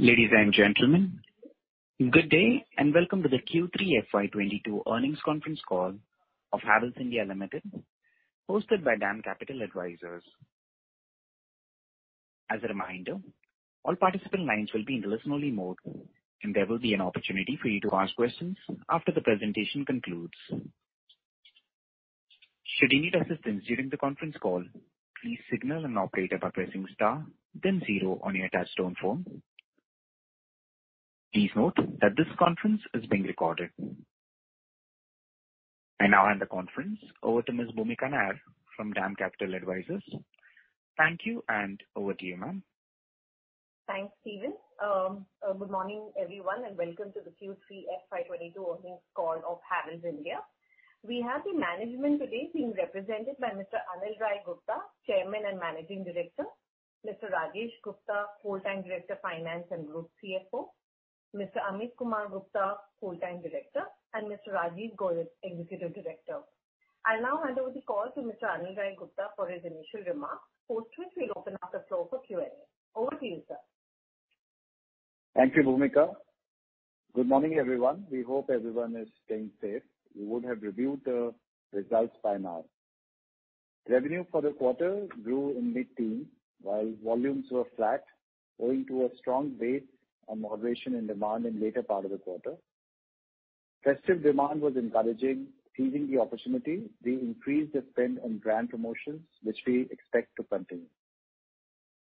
Ladies and gentlemen, good day and welcome to the Q3 FY 2022 earnings conference call of Havells India Limited, hosted by DAM Capital Advisors. As a reminder, all participant lines will be in listen-only mode, and there will be an opportunity for you to ask questions after the presentation concludes. Should you need assistance during the conference call, please signal an operator by pressing star then zero on your touchtone phone. Please note that this conference is being recorded. I now hand the conference over to Ms. Bhoomika Nair from DAM Capital Advisors. Thank you and over to you, ma'am. Thanks, Steven. Good morning, everyone, and welcome to the Q3 FY 2022 earnings call of Havells India. We have the management today being represented by Mr. Anil Rai Gupta, Chairman and Managing Director, Mr. Rajesh Gupta, Whole-time Director Finance and Group Chief Financial Officer, Mr. Ameet Kumar Gupta, Whole-time Director, and Mr. Rajiv Goyal, Executive Director. I now hand over the call to Mr. Anil Rai Gupta for his initial remarks, afterwards we'll open up the floor for Q&A. Over to you, sir. Thank you, Bhoomika. Good morning, everyone. We hope everyone is staying safe. You would have reviewed the results by now. Revenue for the quarter grew in mid-teen, while volumes were flat owing to a strong base and moderation in demand in later part of the quarter. Festive demand was encouraging. Seizing the opportunity, we increased the spend on brand promotions, which we expect to continue.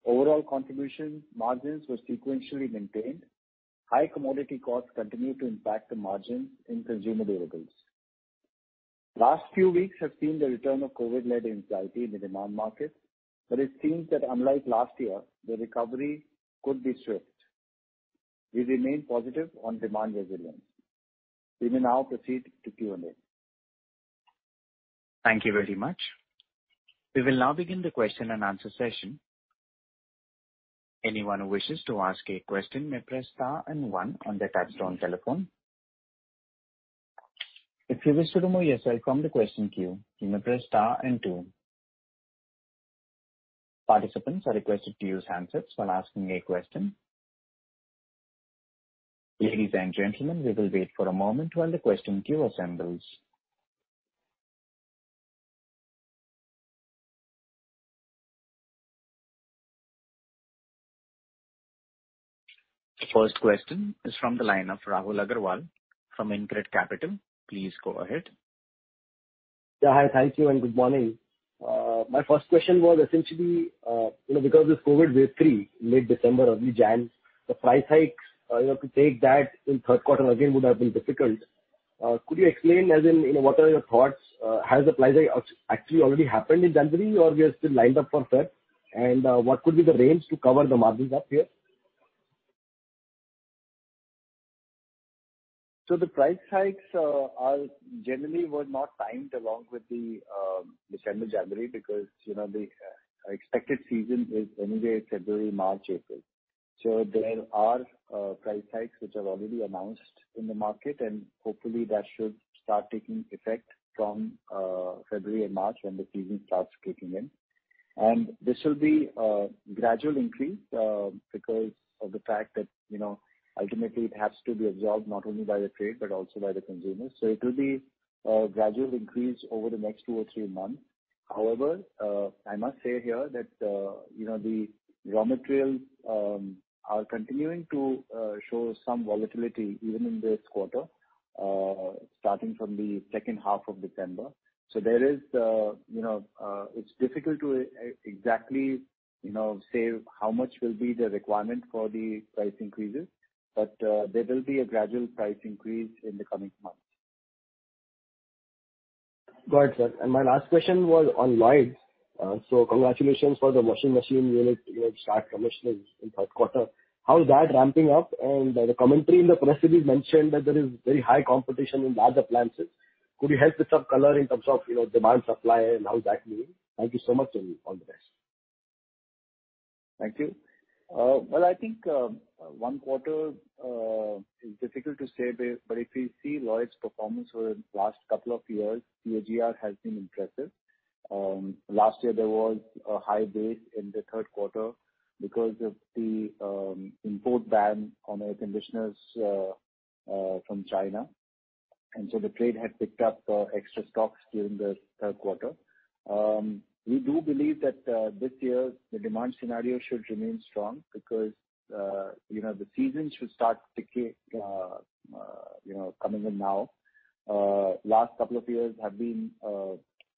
Overall contribution margins were sequentially maintained. High commodity costs continued to impact the margins in consumer durables. Last few weeks have seen the return of COVID-led uncertainty in the demand market, but it seems that unlike last year, the recovery could be swift. We remain positive on demand resilience. We may now proceed to Q&A. Thank you very much. We will now begin the question and answer session. Anyone who wishes to ask a question may press star and one on their touchtone telephone. If you wish to remove yourself from the question queue, you may press star and two. Participants are requested to use handsets when asking a question. Ladies and gentlemen, we will wait for a moment while the question queue assembles. The first question is from the line of Rahul Agarwal from InCred Capital. Please go ahead. Yeah, hi. Thank you and good morning. My first question was essentially, you know, because this COVID wave three, mid-December, early January, the price hikes, you know, to take that in third quarter again would have been difficult. Could you explain, as in, you know, what are your thoughts? Has the price hike actually already happened in January, or we are still lined up for third? What could be the range to cover the margins up here? The price hikes are generally not timed along with the December, January, because, you know, the expected season is anyway February, March, April. There are price hikes which are already announced in the market, and hopefully that should start taking effect from February and March when the season starts kicking in. This will be a gradual increase because of the fact that, you know, ultimately it has to be absorbed not only by the trade but also by the consumers. It will be a gradual increase over the next two or three months. However, I must say here that you know, the raw materials are continuing to show some volatility even in this quarter, starting from the second half of December. There is, you know, it's difficult to exactly, you know, say how much will be the requirement for the price increases, but there will be a gradual price increase in the coming months. Got it, sir. My last question was on Lloyd. Congratulations for the washing machine unit, you know, start commissioning in third quarter. How is that ramping up? The commentary in the press release mentioned that there is very high competition in larger appliances. Could you help with some color in terms of, you know, demand, supply and how is that moving? Thank you so much, and all the best. Thank you. Well, I think one quarter is difficult to say, but if you see Lloyd's performance over the last couple of years, CAGR has been impressive. Last year there was a high base in the third quarter because of the import ban on air conditioners from China. The trade had picked up extra stocks during the third quarter. We do believe that this year the demand scenario should remain strong because, you know, the season should start to come in now. Last couple of years have been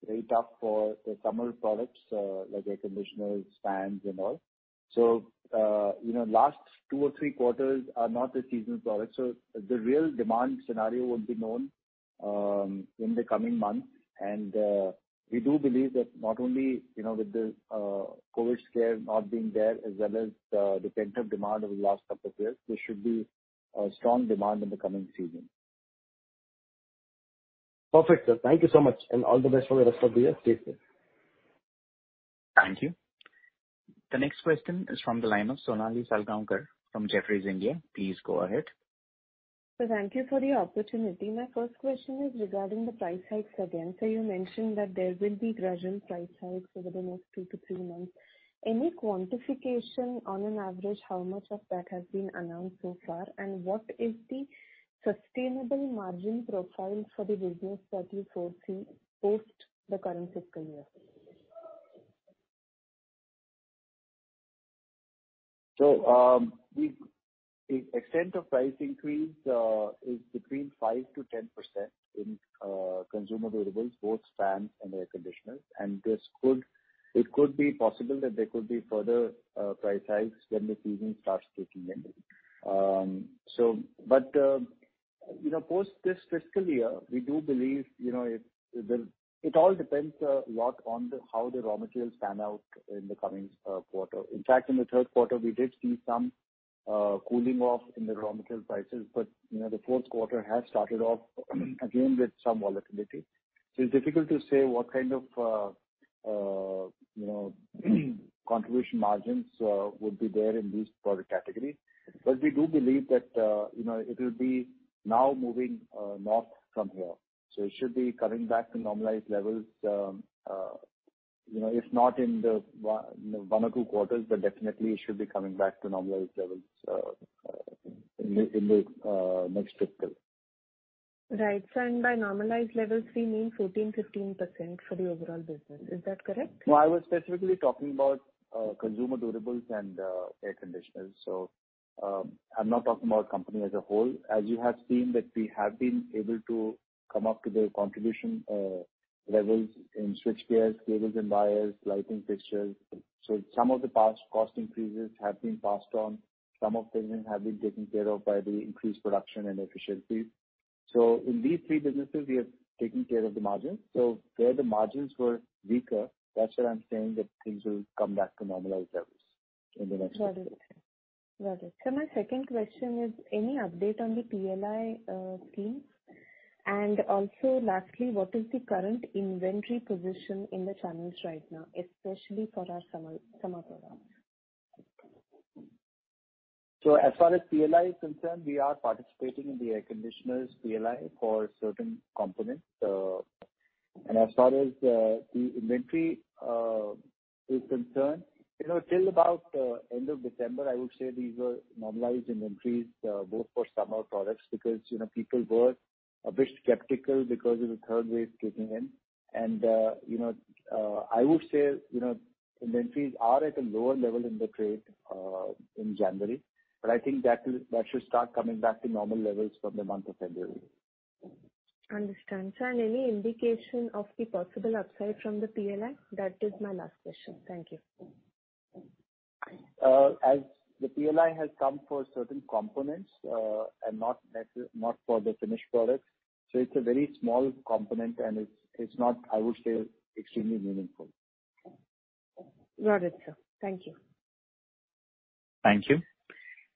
very tough for the summer products like air conditioners, fans and all. You know, last two or three quarters are not the season products, so the real demand scenario would be known in the coming months. We do believe that not only, you know, with the COVID scare not being there, as well as the pent-up demand over the last couple of years, there should be a strong demand in the coming season. Perfect, sir. Thank you so much and all the best for the rest of the year. Stay safe. Thank you. The next question is from the line of Sonali Salgaonkar from Jefferies India. Please go ahead. Thank you for the opportunity. My first question is regarding the price hikes again. You mentioned that there will be gradual price hikes over the next two to three months. Any quantification on an average, how much of that has been announced so far? What is the sustainable margin profile for the business that you foresee post the current fiscal year? The extent of price increase is between 5%-10% in consumer durables, both fans and air conditioners. This could be possible that there could be further price hikes when the season starts kicking in. You know, post this fiscal year, we do believe, you know, it will. It all depends a lot on how the raw materials pan out in the coming quarter. In fact, in the third quarter, we did see some cooling off in the raw material prices. You know, the fourth quarter has started off again with some volatility. It's difficult to say what kind of, you know, contribution margins would be there in these product category. We do believe that, you know, it'll be now moving north from here. It should be coming back to normalized levels, you know, if not in one or two quarters, but definitely it should be coming back to normalized levels in the next fiscal. Right. By normalized levels, we mean 14%-15% for the overall business. Is that correct? No, I was specifically talking about consumer durables and air conditioners. I'm not talking about the company as a whole. As you have seen that we have been able to come up to the contribution levels in switchgears, cables and wires, lighting fixtures. Some of the past cost increases have been passed on. Some of them have been taken care of by the increased production and efficiencies. In these three businesses we are taking care of the margins. Where the margins were weaker, that's where I'm saying that things will come back to normalized levels in the next fiscal. Got it. My second question is any update on the PLI scheme? Also lastly, what is the current inventory position in the channels right now, especially for our summer products? As far as PLI is concerned, we are participating in the air conditioners PLI for certain components. As far as the inventory is concerned, you know, till about end of December, I would say these were normalized inventories both for summer products because, you know, people were a bit skeptical because of the third wave kicking in. You know, I would say inventories are at a lower level in the trade in January, but I think that should start coming back to normal levels from the month of February. Understood. Sir, any indication of the possible upside from the PLI? That is my last question. Thank you. As the PLI has come for certain components, and not necessarily, not for the finished product, so it's a very small component and it's not, I would say, extremely meaningful. Got it, sir. Thank you. Thank you.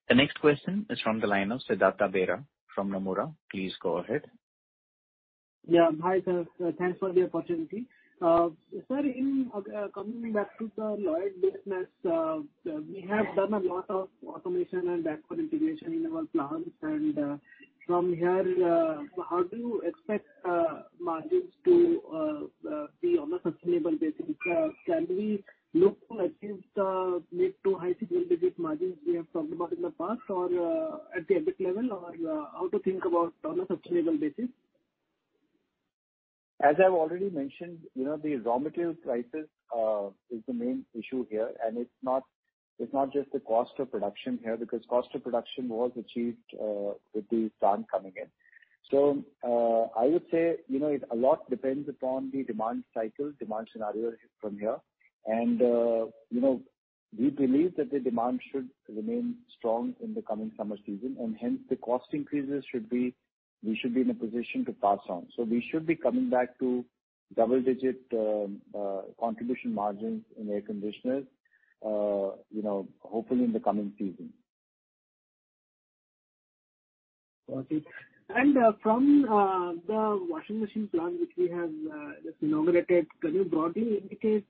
The next question is from the line of Siddhartha Bera from Nomura. Please go ahead. Yeah. Hi, sir. Thanks for the opportunity. Sir, in coming back to the Lloyd business, we have done a lot of automation and backward integration in our plants. From here, how do you expect margins to be on a sustainable basis? Can we look to achieve the mid to high single digit margins we have talked about in the past or at the EBIT level or how to think about on a sustainable basis? As I've already mentioned, you know, the raw material crisis is the main issue here. It's not just the cost of production here, because cost of production was achieved with the plant coming in. I would say, you know, a lot depends upon the demand cycle, demand scenario from here. You know, we believe that the demand should remain strong in the coming summer season, and hence the cost increases should be. We should be in a position to pass on. We should be coming back to double digit contribution margins in air conditioners, you know, hopefully in the coming season. Got it. From the washing machine plant, which we have just inaugurated, can you broadly indicate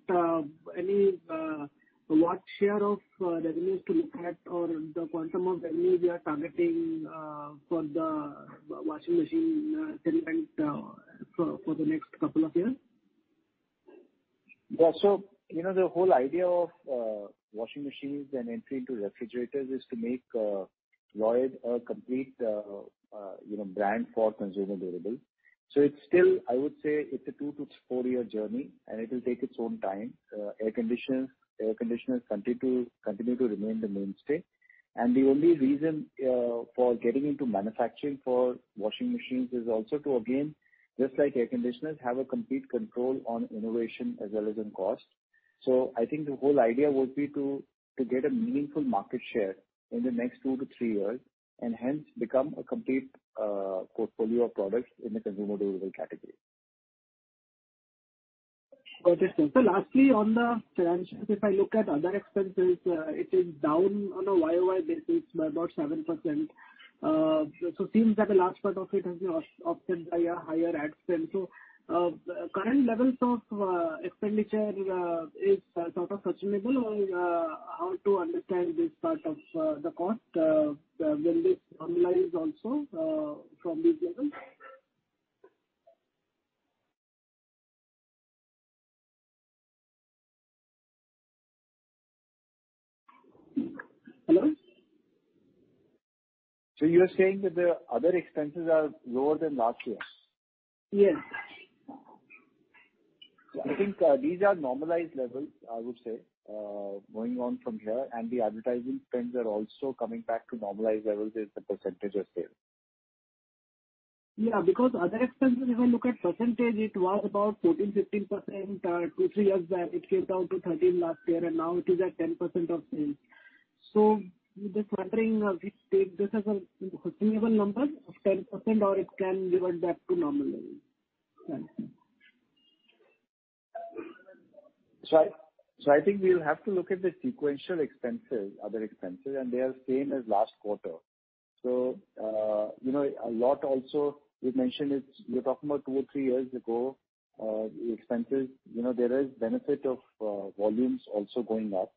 any what share of revenues to look at or the quantum of revenue we are targeting for the washing machine segment for the next couple of years? Yeah. You know, the whole idea of washing machines and entry into refrigerators is to make Lloyd a complete brand for consumer durable. It's still, I would say it's a two-year to four-year journey, and it will take its own time. Air conditioners continue to remain the mainstay. The only reason for getting into manufacturing for washing machines is also to, again, just like air conditioners, have a complete control on innovation as well as in cost. I think the whole idea would be to get a meaningful market share in the next two to three years and hence become a complete portfolio of products in the consumer durable category. Got it, sir. Lastly, on the financials, if I look at other expenses, it is down on a YOY basis by about 7%. Seems that a large part of it has been offset by a higher ad spend. Current levels of expenditure is sort of sustainable. How to understand this part of the cost when it normalizes also from these levels? Hello. You're saying that the other expenses are lower than last year? Yes. I think, these are normalized levels, I would say, going on from here, and the advertising trends are also coming back to normalized levels as the percentage of sales. Yeah, because other expenses, if you look at percentage, it was about 14%-15%, two to three years back. It came down to 13% last year, and now it is at 10% of sales. Just wondering, we take this as a sustainable number of 10%, or it can revert back to normal levels. Thank you. I think we'll have to look at the sequential expenses, other expenses, and they are same as last quarter. You know, a lot also we've mentioned is we're talking about two or three years ago, the expenses. You know, there is benefit of volumes also going up.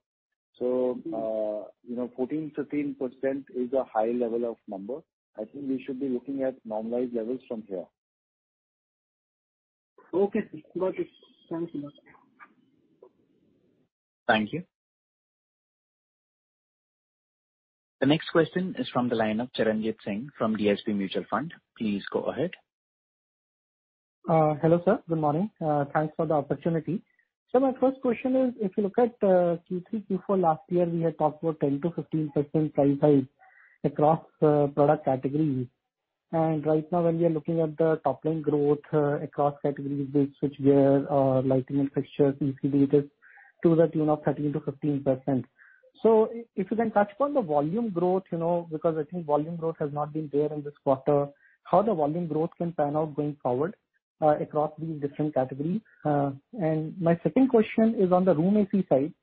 You know, 14%-15% is a high level of number. I think we should be looking at normalized levels from here. Okay, sir. Got it. Thanks a lot. Thank you. The next question is from the line of Charanjit Singh from DSP Mutual Fund. Please go ahead. Hello, sir. Good morning. Thanks for the opportunity. My first question is, if you look at Q3, Q4 last year, we had talked about 10%-15% price hike across product categories. Right now, when we are looking at the top line growth across categories, be it switchgear, lighting and fixtures, ECD, it is to the tune of 13%-15%. If you can touch upon the volume growth, you know, because I think volume growth has not been there in this quarter. How the volume growth can pan out going forward across these different categories. My second question is on the room AC side.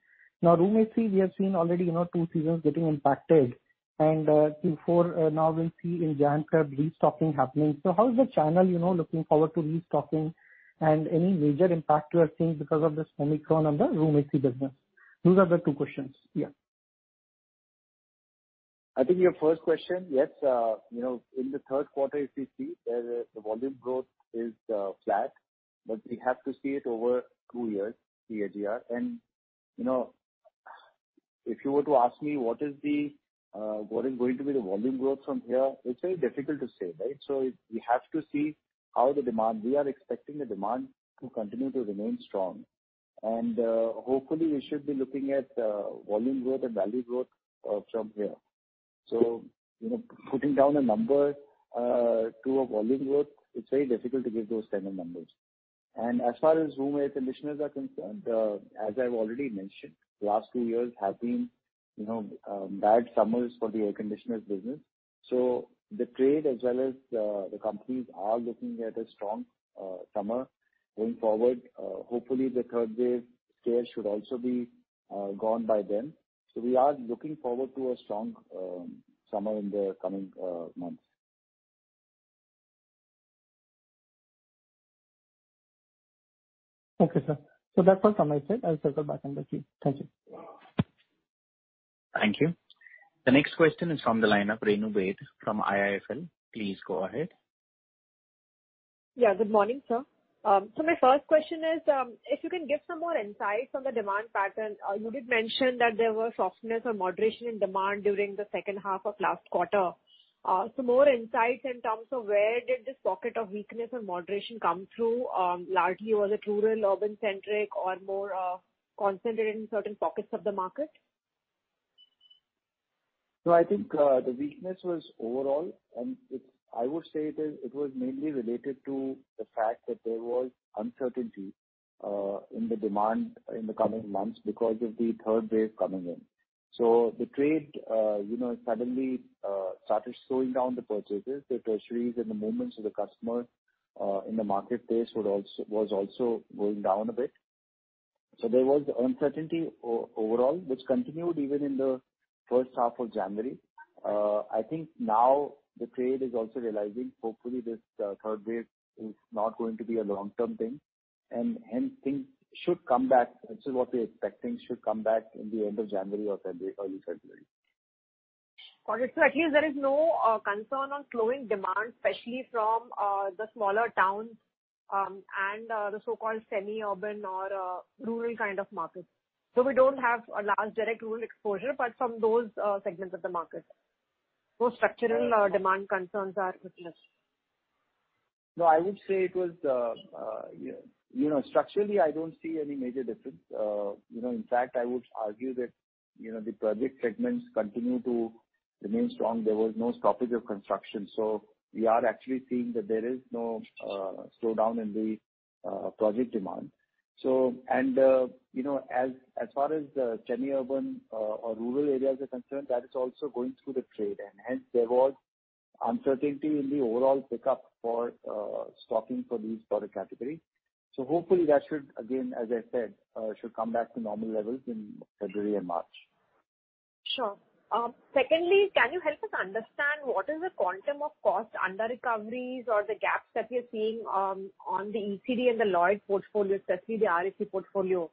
Now, room AC, we have seen already, you know, two seasons getting impacted and Q4, now we'll see in January restocking happening. How is the channel, you know, looking forward to restocking and any major impact you are seeing because of this Omicron on the room AC business? Those are the two questions. Yeah. I think your first question, yes, you know, in the third quarter, if you see, the volume growth is flat, but we have to see it over two years, the CAGR. You know, if you were to ask me what is going to be the volume growth from here, it's very difficult to say, right? We have to see how the demand we are expecting to continue to remain strong. Hopefully we should be looking at volume growth and value growth from here. You know, putting down a number to a volume growth, it's very difficult to give those kind of numbers. As far as room air conditioners are concerned, as I've already mentioned, the last two years have been you know bad summers for the air conditioners business. The trade as well as the companies are looking at a strong summer going forward. Hopefully the third wave scare should also be gone by then. We are looking forward to a strong summer in the coming months. Okay, sir. That's all from my side. I'll circle back in the queue. Thank you. Thank you. The next question is from the line of Renu Baid from IIFL. Please go ahead. Yeah. Good morning, sir. My first question is, if you can give some more insights on the demand pattern. You did mention that there was softness or moderation in demand during the second half of last quarter. More insights in terms of where did this pocket of weakness or moderation come through. Largely, was it rural, urban centric or more, concentrated in certain pockets of the market? I think the weakness was overall, and it was mainly related to the fact that there was uncertainty in the demand in the coming months because of the third wave coming in. The trade, you know, suddenly started slowing down the purchases. The treasuries and the movements of the customer in the marketplace was also going down a bit. There was uncertainty overall, which continued even in the first half of January. I think now the trade is also realizing hopefully this third wave is not going to be a long-term thing and, hence, things should come back. This is what we're expecting, should come back in the end of January or February, early February. Got it. At least there is no concern on slowing demand, especially from the smaller towns and the so-called semi-urban or rural kind of markets. We don't have a large direct rural exposure, but from those segments of the markets, those structural demand concerns are not witnessed. No, I would say it was, you know, structurally, I don't see any major difference. You know, in fact, I would argue that, you know, the project segments continue to remain strong. There was no stoppage of construction. We are actually seeing that there is no slowdown in the project demand. You know, as far as the semi-urban or rural areas are concerned, that is also going through the trade and hence there was uncertainty in the overall pickup for stocking for these product categories. Hopefully that should again, as I said, should come back to normal levels in February and March. Sure. Secondly, can you help us understand what is the quantum of cost underrecoveries or the gaps that you're seeing on the ECD and the Lloyd portfolio, especially the RAC portfolio?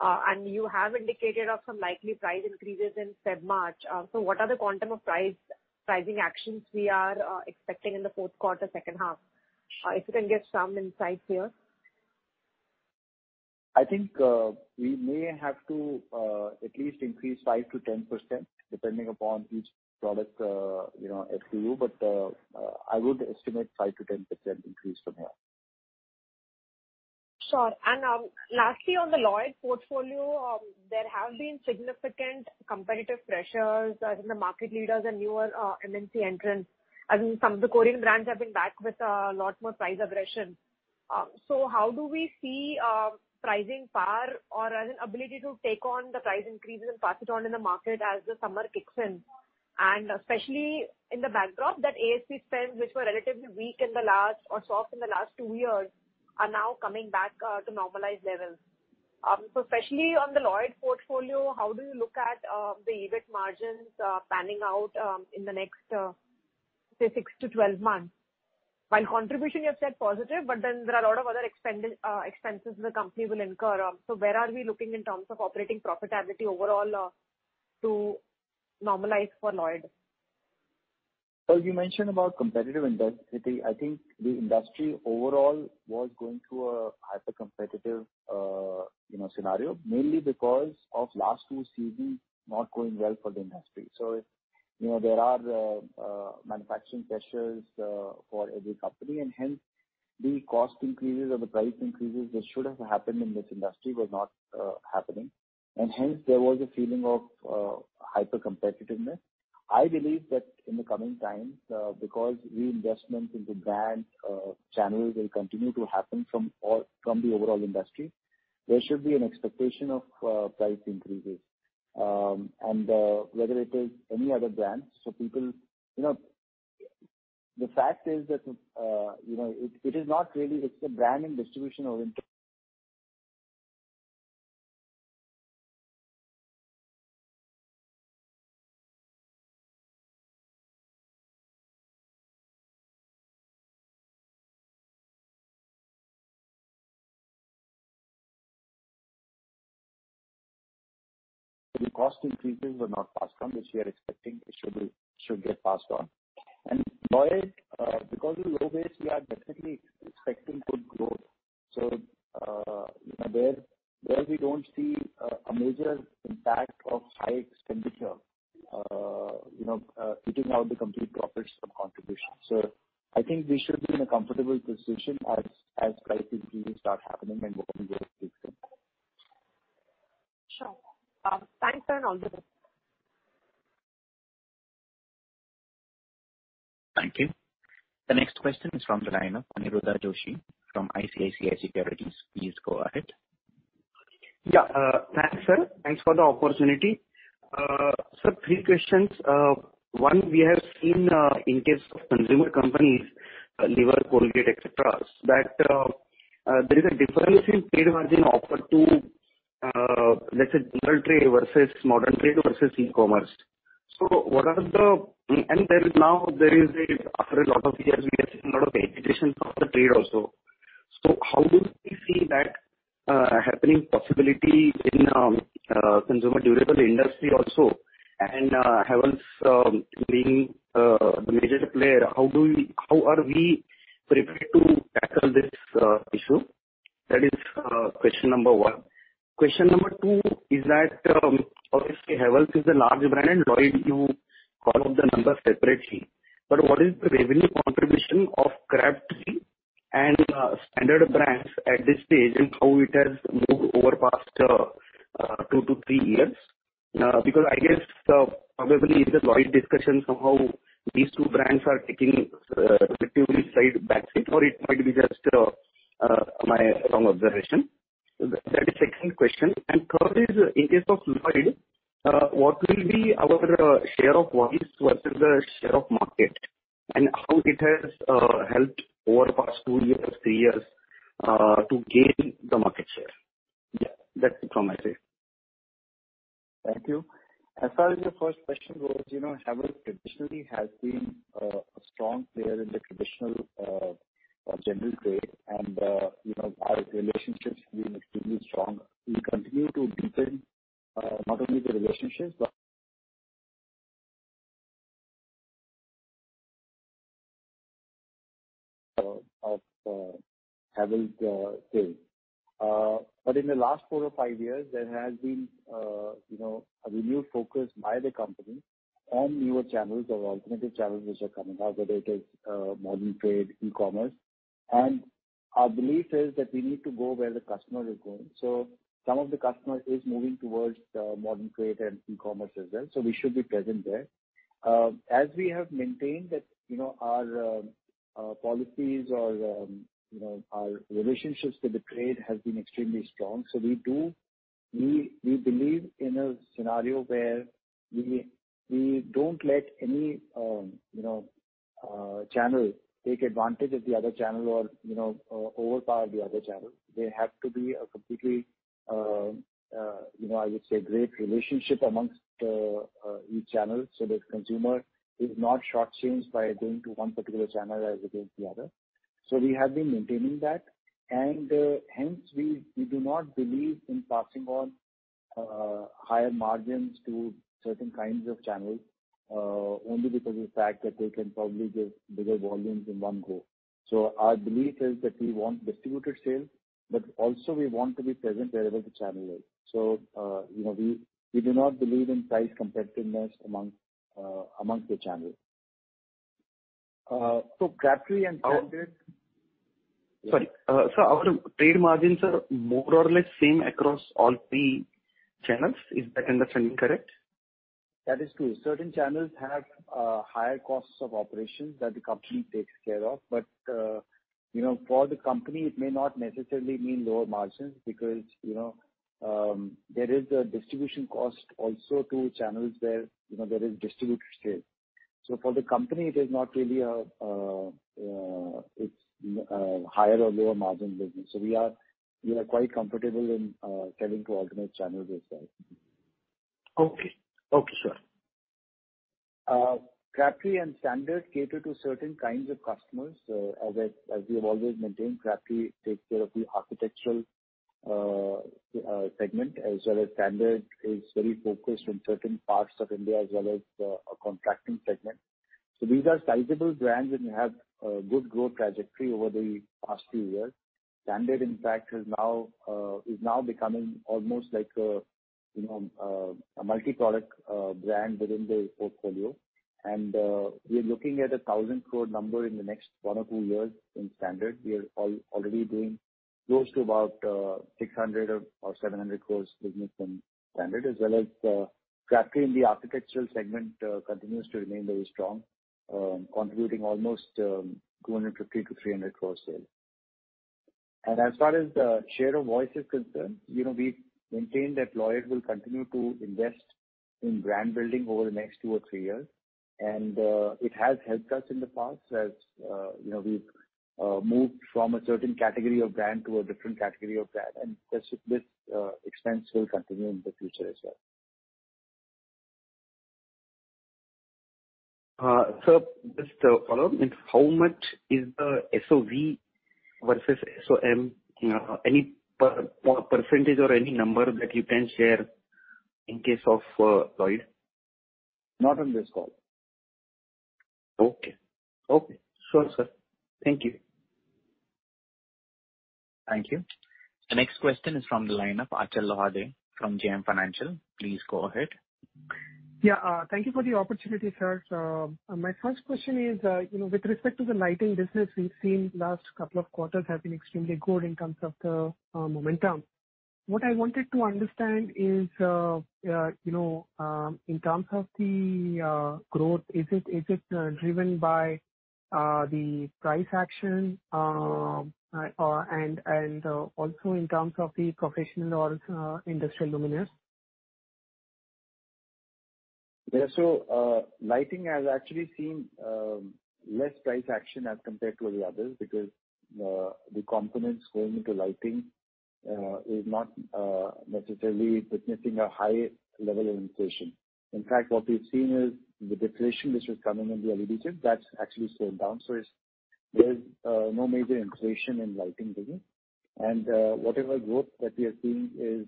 And you have indicated of some likely price increases in February-March. So what are the quantum of pricing actions we are expecting in the fourth quarter, second half? If you can give some insight here. I think we may have to at least increase 5%-10% depending upon each product, you know, SKU. I would estimate 5%-10% increase from here. Sure. Lastly, on the Lloyd portfolio, there have been significant competitive pressures as in the market leaders and newer MNC entrants. I mean, some of the Korean brands have been back with lot more price aggression. How do we see pricing power or as in ability to take on the price increases and pass it on in the market as the summer kicks in? Especially in the backdrop that A&P spends, which were relatively weak in the last or soft in the last two years, are now coming back to normalized levels. Especially on the Lloyd portfolio, how do you look at the EBIT margins panning out in the next, say 6-12 months? While contribution you have said positive, but then there are a lot of other expenses the company will incur. Where are we looking in terms of operating profitability overall, to normalize for Lloyd? Well, you mentioned about competitive industry. I think the industry overall was going through a hypercompetitive, you know, scenario, mainly because of last two seasons not going well for the industry. You know, there are manufacturing pressures for every company, and hence the cost increases or the price increases that should have happened in this industry were not happening. Hence, there was a feeling of hypercompetitiveness. I believe that in the coming times, because reinvestment into brands, channels will continue to happen from the overall industry, there should be an expectation of price increases. Whether it is any other brands, so people... You know, the fact is that, you know, it is not really. It's the brand and distribution. The cost increases were not passed on, which we are expecting it should be, should get passed on. Lloyd, because of the low base, we are definitely expecting good growth. You know, there we don't see a major impact of high expenditure, you know, eating out the complete profits of contribution. I think we should be in a comfortable position as price increases start happening and booking growth kicks in. Sure. Thanks, sir, and all the best. Thank you. The next question is from the line of Aniruddha Joshi from ICICI Securities. Please go ahead. Yeah. Thanks, sir. Thanks for the opportunity. Sir, three questions. One, we have seen in case of consumer companies, Lever, Colgate, et cetera, that there is a difference in trade margin offered to let's say general trade versus modern trade versus e-commerce. There is now, after a lot of years, we are seeing a lot of digitization of the trade also. How do we see that happening possibility in consumer durable industry also? Havells being the major player, how are we prepared to tackle this issue? That is question number one. Question number two is that, obviously Havells is a large brand and Lloyd, you call out the numbers separately, but what is the revenue contribution of Crabtree and Standard brands at this stage, and how it has moved over past two to three years? Because I guess, probably in the Lloyd discussions somehow these two brands are taking relatively slight backseat, or it might be just my wrong observation. That is second question. Third is, in case of Lloyd, what will be our share of voice versus the share of market, and how it has helped over past two years, three years to gain the market share? Yeah. That's it from my side. Thank you. As far as your first question goes, you know, Havells traditionally has been a strong player in the traditional general trade. Our relationships have been extremely strong. We continue to deepen not only the relationships. In the last four or five years, there has been you know, a renewed focus by the company on newer channels or alternative channels which are coming out, whether it is modern trade, e-commerce. Our belief is that we need to go where the customer is going. Some of the customer is moving towards modern trade and e-commerce as well, so we should be present there. As we have maintained that, you know, our policies or you know, our relationships with the trade has been extremely strong. We believe in a scenario where we don't let any channel take advantage of the other channel or overpower the other channel. There has to be a completely great relationship among each channel, so that consumer is not shortchanged by going to one particular channel as against the other. We have been maintaining that and hence we do not believe in passing on higher margins to certain kinds of channels only because of the fact that they can probably give bigger volumes in one go. Our belief is that we want distributed sales, but also we want to be present wherever the channel is. We do not believe in price competitiveness among the channels. Uh, so Crabtree and Standard- Sorry. Sir, our trade margins are more or less same across all three channels. Is that understanding correct? That is true. Certain channels have higher costs of operations that the company takes care of. You know, for the company, it may not necessarily mean lower margins because, you know, there is a distribution cost also to channels where, you know, there is distributor scale. For the company, it is not really a higher or lower margin business. We are quite comfortable in selling to alternate channels as well. Okay. Okay, sir. Crabtree and Standard cater to certain kinds of customers. As we have always maintained, Crabtree takes care of the architectural segment, as well as Standard is very focused on certain parts of India as well as a contracting segment. These are sizable brands and have a good growth trajectory over the past few years. Standard, in fact, is now becoming almost like a, you know, a multi-product brand within the portfolio. We're looking at 1,000 crore number in the next one or two years in Standard. We are already doing close to about 600-700 crore business in Standard, as well as Crabtree in the architectural segment continues to remain very strong, contributing almost 250-300 crore sales. As far as the share of voice is concerned, you know, we maintain that Lloyd will continue to invest in brand building over the next two or three years. It has helped us in the past as, you know, we've moved from a certain category of brand to a different category of brand. This expense will continue in the future as well. Sir, just a follow-up. How much is the SOV versus SOM? Any percentage or any number that you can share in case of Lloyd. Not on this call. Okay. Sure, sir. Thank you. Thank you. The next question is from the line of Achal Lohade from JM Financial. Please go ahead. Yeah. Thank you for the opportunity, sir. My first question is, you know, with respect to the lighting business, we've seen last couple of quarters have been extremely good in terms of the momentum. What I wanted to understand is, you know, in terms of the growth, is it driven by the price action, and also in terms of the professional or industrial luminaires? Yeah. Lighting has actually seen less price action as compared to the others because the components going into lighting is not necessarily witnessing a high level of inflation. In fact, what we've seen is the deflation which was coming in the LED chips, that's actually slowed down. There's no major inflation in lighting business. Whatever growth that we are seeing is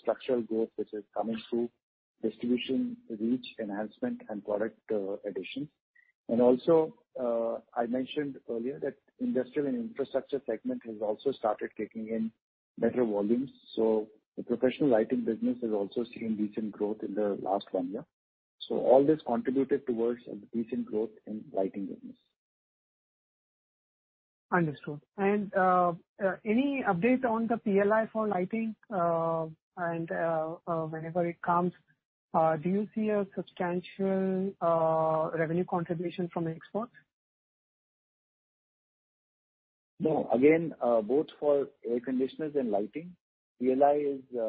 structural growth which is coming through distribution, reach enhancement and product addition. I mentioned earlier that industrial and infrastructure segment has also started kicking in better volumes. The professional lighting business has also seen decent growth in the last one year. All this contributed towards a decent growth in lighting business. Understood. Any update on the PLI for lighting? Whenever it comes, do you see a substantial revenue contribution from exports? No. Again, both for air conditioners and lighting, PLI is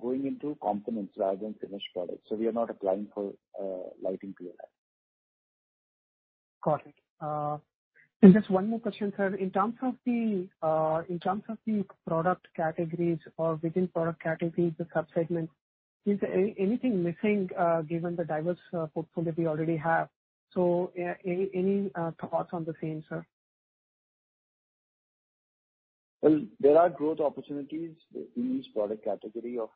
going into components rather than finished products, so we are not applying for lighting PLI. Got it. Just one more question, sir. In terms of the product categories or within product categories, the sub-segments, is there anything missing, given the diverse portfolio we already have? Any thoughts on the same, sir? Well, there are growth opportunities in each product category of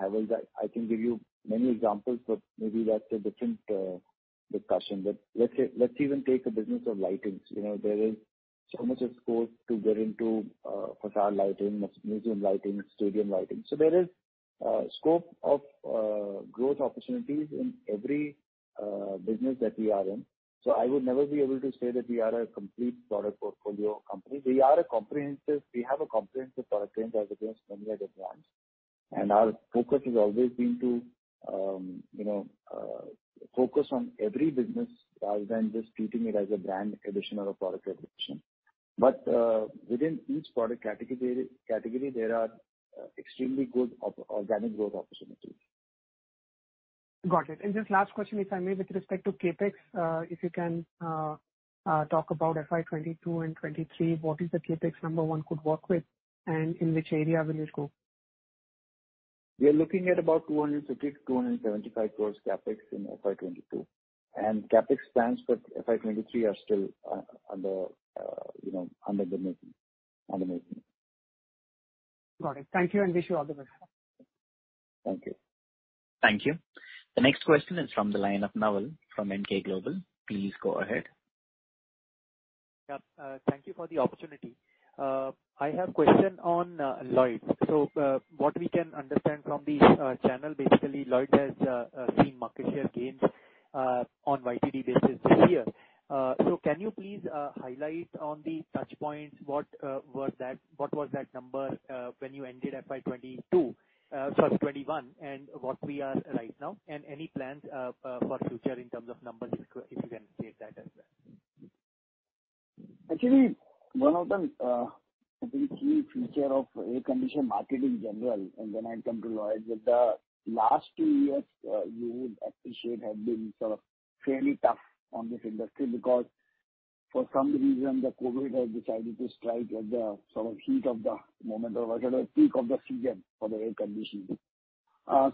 Havells. I can give you many examples, but maybe that's a different discussion. Let's say, let's even take the business of lighting. You know, there is so much scope to get into facade lighting, museum lighting, stadium lighting. There is scope of growth opportunities in every business that we are in. I would never be able to say that we are a complete product portfolio company. We have a comprehensive product range as against many other brands, and our focus has always been to you know focus on every business rather than just treating it as a brand addition or a product addition. Within each product category, there are extremely good organic growth opportunities. Got it. Just last question, if I may, with respect to CapEx, if you can talk about FY 2022 and FY 2023, what is the CapEx number one could work with and in which area will it go? We are looking at about 250-275 gross CapEx in FY 2022. CapEx plans for FY 2023 are still, you know, under the making. Got it. Thank you and wish you all the best. Thank you. Thank you. The next question is from the line of Naval from Emkay Global. Please go ahead. Yeah. Thank you for the opportunity. I have question on Lloyd's. What we can understand from the channel, basically Lloyd has seen market share gains on YTD basis this year. Can you please highlight on the touch points what was that number when you ended FY 2021, and what we are right now? Any plans for future in terms of numbers, if you can state that as well. Actually, one of the, I think key feature of air conditioner market in general, and then I come to Lloyd, that the last two years, you would appreciate have been sort of fairly tough on this industry because for some reason the COVID has decided to strike at the sort of heat of the moment or sort of peak of the season for the air conditioning.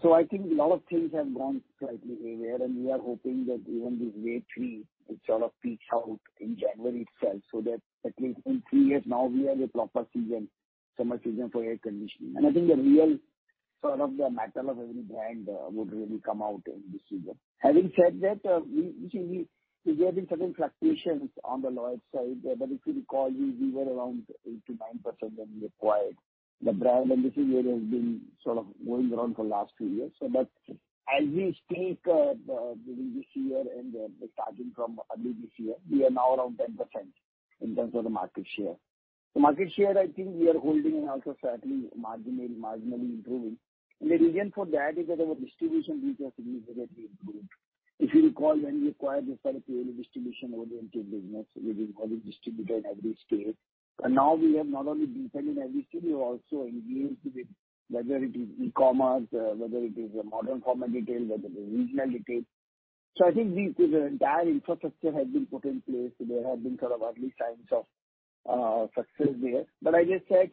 So I think a lot of things have gone slightly awry, and we are hoping that even this wave three will sort of peak out in January itself, so that at least in three years now we have a proper season, summer season for air conditioning. I think the real sort of the mettle of every brand would really come out in this season. Having said that, you see, there have been certain fluctuations on the Lloyd side. If you recall, we were around 8%-9% when we acquired the brand. This is where we've been sort of going around for last two years. As we speak, during this year and starting from early this year, we are now around 10% in terms of the market share. The market share I think we are holding and also slightly marginally improving. The reason for that is that our distribution reach has significantly improved. If you recall, when we acquired this sort of purely distribution-oriented business, we didn't call it distributor in every state. Now we are not only deepening every city, we are also engaged with whether it is e-commerce, whether it is a modern format retail, whether it is regional retail. I think the entire infrastructure has been put in place. There have been sort of early signs of success there. As I said,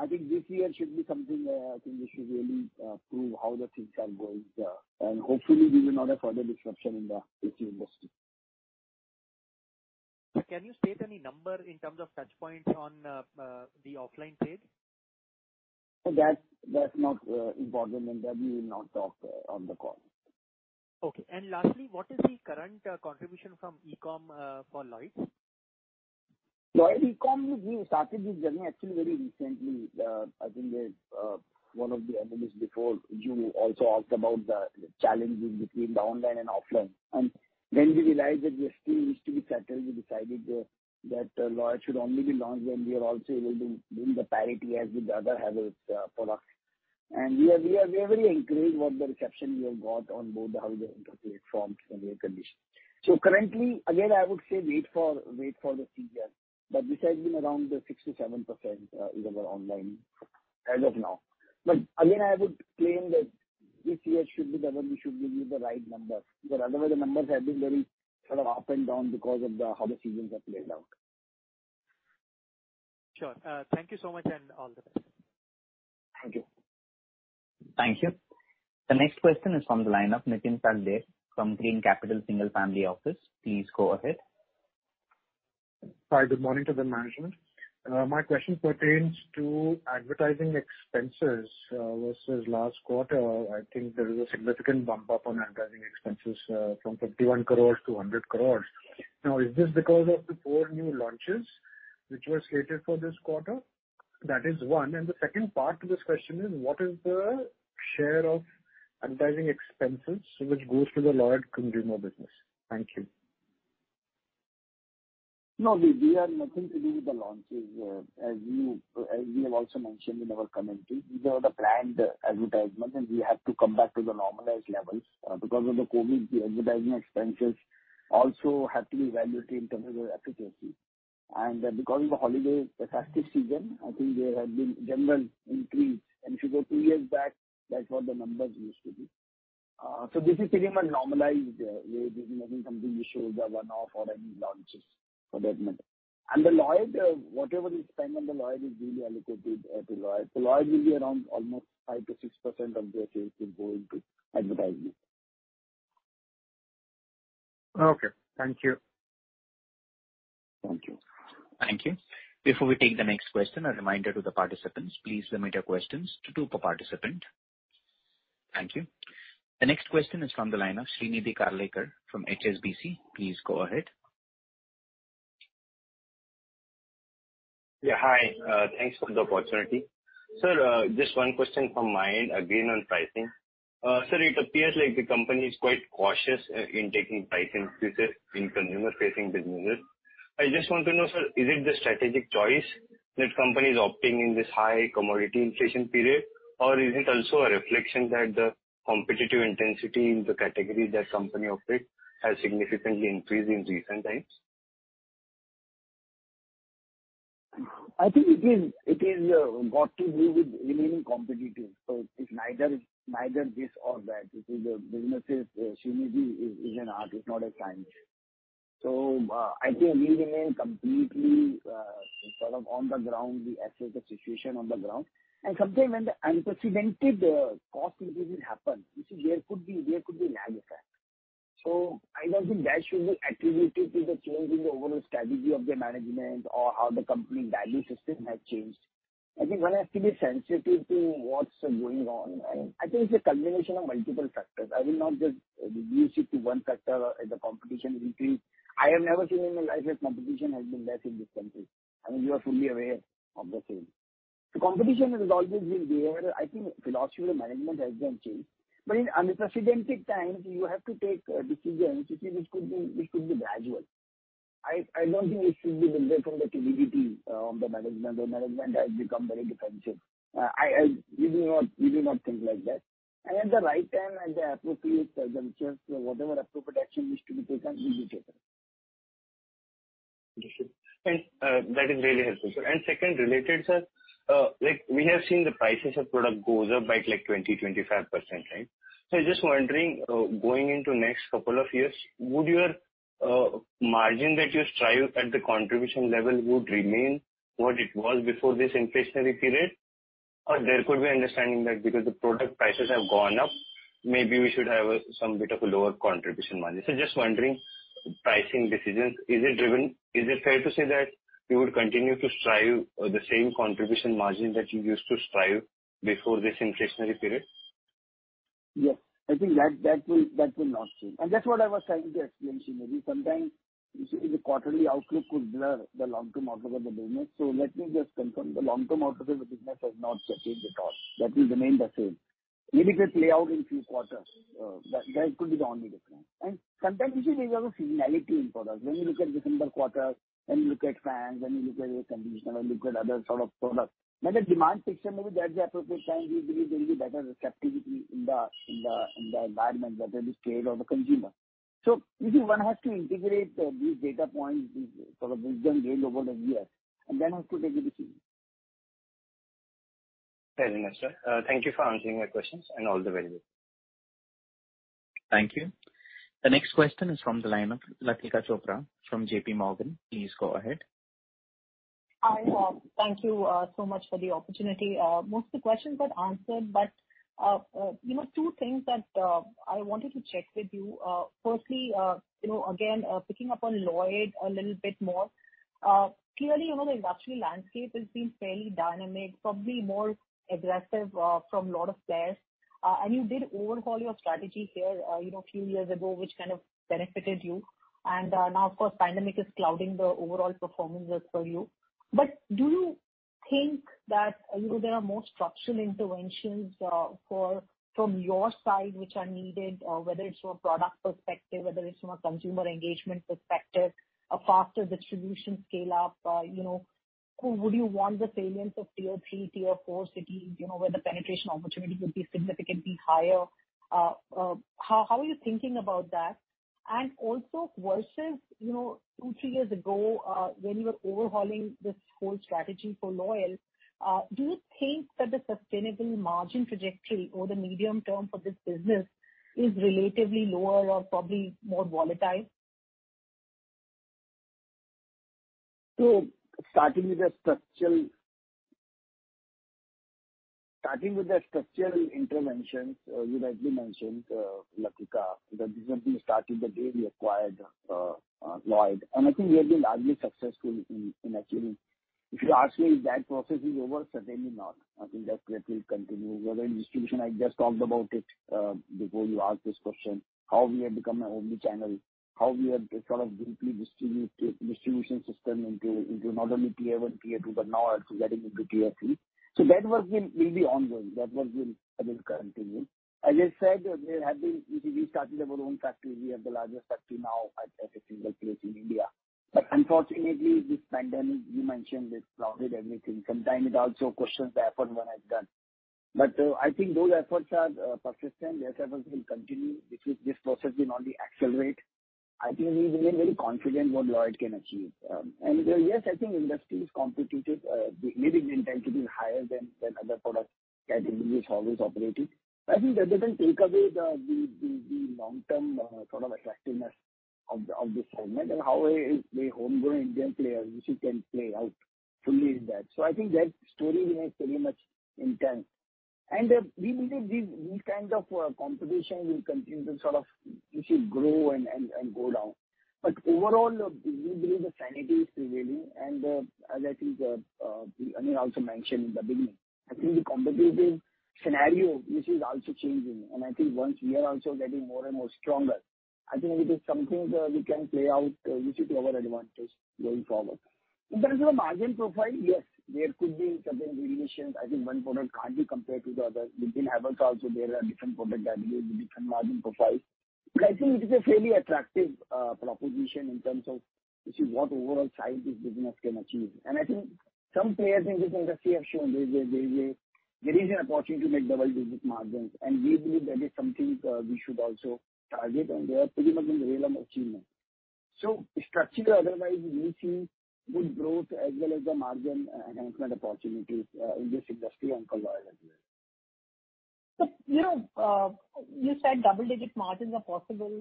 I think this year should be something, I think we should really prove how the things are going, and hopefully we will not have further disruption in the AC industry. Can you state any number in terms of touchpoints on the offline trade? That's not important and that we will not talk on the call. Okay. Lastly, what is the current contribution from e-com for Lloyd? Lloyd e-com, we started this journey actually very recently. I think that one of the analysts before you also asked about the challenges between the online and offline. When we realized that we still need to be settled, we decided that Lloyd should only be launched when we are also able to bring the parity as with the other Havells products. We are very encouraged by the reception we have got on both the Havells and online platforms for air conditioning. Currently, again, I would say wait for this fiscal. This has been around the 6%-7% is our online as of now. But again, I would claim that this year should be the one we should give you the right numbers. Because otherwise the numbers have been very sort of up and down because of how the seasons are played out. Sure. Thank you so much and all the best. Thank you. Thank you. The next question is from the line of Nitin Shakdher from Green Capital Single Family Office. Please go ahead. Hi. Good morning to the management. My question pertains to advertising expenses, versus last quarter. I think there is a significant bump up on advertising expenses, from 51-100 crores. Now, is this because of the four new launches which were slated for this quarter? That is one. The second part to this question is what is the share of advertising expenses which goes to the Lloyd consumer business? Thank you. No, we have nothing to do with the launches. As we have also mentioned in our commentary, these are the planned advertisements and we have to come back to the normalized levels. Because of the COVID, the advertising expenses also had to be evaluated in terms of efficacy. Because of the holiday festive season, I think there had been general increase. If you go two years back, that's what the numbers used to be. This is pretty much normalized. This is not something which shows a one-off or any launches for that matter. The Lloyd, whatever we spend on the Lloyd is really allocated to Lloyd. So Lloyd will be around almost 5%-6% of the sales will go into advertising. Okay. Thank you. Thank you. Thank you. Before we take the next question, a reminder to the participants, please limit your questions to two per participant. Thank you. The next question is from the line of Srinidhi Karlekar from HSBC. Please go ahead. Yeah. Hi. Thanks for the opportunity. Sir, just one question from my end, again on pricing. Sir, it appears like the company is quite cautious, in taking price increases in consumer-facing businesses. I just want to know, sir, is it the strategic choice that company is opting in this high commodity inflation period, or is it also a reflection that the competitive intensity in the category that company operates has significantly increased in recent times? I think it is got to do with remaining competitive. It's neither this or that. It is a business, Srinidhi, is an art, it's not a science. I think we remain completely sort of on the ground. We assess the situation on the ground. Sometimes when the unprecedented cost increases happen, you see there could be lag effect. I don't think that should be attributed to the change in the overall strategy of the management or how the company value system has changed. I think one has to be sensitive to what's going on. I think it's a combination of multiple factors. I will not just reduce it to one factor or the competition increase. I have never seen in my life that competition has been less in this country. I mean, you are fully aware of the same. The competition has always been there. I think philosophy of management has been changed. In unprecedented times, you have to take decisions which could be gradual. I don't think it should be measured from the credibility of the management, or management has become very defensive. We do not think like that. At the right time, at the appropriate juncture, whatever appropriate action is to be taken will be taken. Understood. That is really helpful, sir. Second, related, sir, like we have seen the prices of product goes up by like 20%-25%, right? Just wondering, going into next couple of years, would your margin that you strive at the contribution level would remain what it was before this inflationary period? Or there could be understanding that because the product prices have gone up, maybe we should have some bit of a lower contribution margin. Just wondering, pricing decisions, is it fair to say that you would continue to strive the same contribution margin that you used to strive before this inflationary period? Yes. I think that will not change. That's what I was trying to explain to you. Maybe sometimes, you see the quarterly outlook could blur the long-term outlook of the business. Let me just confirm, the long-term outlook of the business has not changed at all. That will remain the same. Maybe it will play out in few quarters. That could be the only difference. Sometimes you see there's a seasonality in products. When you look at December quarter, when you look at fans, when you look at air conditioner, look at other sort of products. When the demand picture maybe there at the appropriate time, we believe there will be better receptivity in the environment, whether it is trade or the consumer. You see one has to integrate these data points, these sort of wisdom gained over the years, and then have to take a decision. Very nice, sir. Thank you for answering my questions and all the value. Thank you. The next question is from the line of Latika Chopra from JPMorgan. Please go ahead. Hi. Thank you so much for the opportunity. Most of the questions got answered, you know, two things that I wanted to check with you. Firstly, you know, again picking up on Lloyd a little bit more. Clearly, you know, the industrial landscape has been fairly dynamic, probably more aggressive from a lot of players. You did overhaul your strategy here, you know, a few years ago, which kind of benefited you. Now of course, pandemic is clouding the overall performance as per you. Do you think that, you know, there are more structural interventions for your side which are needed, whether it's from a product perspective, whether it's from a consumer engagement perspective, a faster distribution scale up? You know, who would you want the salience of Tier 3, Tier 4 cities, you know, where the penetration opportunity could be significantly higher? How are you thinking about that? Also versus, you know, two to three years ago, when you were overhauling this whole strategy for Lloyd, do you think that the sustainable margin trajectory over the medium term for this business is relatively lower or probably more volatile? Starting with the structural interventions, you rightly mentioned, Latika, that this has been starting the day we acquired Lloyd. I think we have been largely successful in achieving. If you ask me if that process is over, certainly not. I think that will continue. Whether in distribution, I just talked about it before you asked this question, how we have become an omni-channel, how we have sort of deeply distribute the distribution system into not only tier one, tier two, but now also getting into tier three. That work will be ongoing. That work will continue. As I said, you see, we started our own factory. We have the largest factory now at a single place in India. But unfortunately, this pandemic you mentioned, it clouded everything. Sometimes it also questions the effort one has done. I think those efforts are persistent. Yes, efforts will continue. This process will only accelerate. I think we remain very confident what Lloyd can achieve. Yes, I think industry is competitive. Maybe the intensity is higher than other product categories we always operated. I think that doesn't take away the long-term sort of attractiveness of this segment and how a homegrown Indian player, you see, can play out fully in that. I think that story remains very much intact. We believe these kind of competition will continue to sort of, you see, grow and go down. Overall, we believe the sanity is prevailing. As I think, Anil also mentioned in the beginning, I think the competitive scenario, this is also changing. I think once we are also getting more and more stronger, I think it is something that we can play out, which is to our advantage going forward. In terms of the margin profile, yes, there could be certain variations. I think one product can't be compared to the other. Within Havells also there are different product categories with different margin profiles. I think it is a fairly attractive proposition in terms of, you see, what overall size this business can achieve. I think some players in this industry have shown there is an opportunity to make double-digit margins, and we believe that is something we should also target, and we are pretty much in the realm of achievement. Structural or otherwise, we do see good growth as well as the margin enhancement opportunities in this industry and for Lloyd as well. You know, you said double-digit margins are possible,